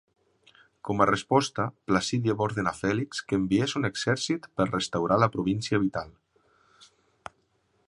Com a resposta, Placídia va ordenar Fèlix que enviés un exèrcit per restaurar la província vital.